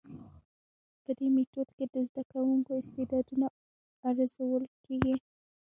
په دي ميتود کي د زده کوونکو استعدادونه ارزول کيږي.